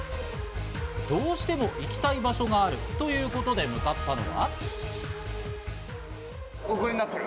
どうしても行きたい場所があるということで向かったのは。